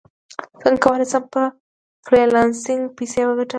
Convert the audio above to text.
څنګه کولی شم په فریلانسینګ پیسې وګټم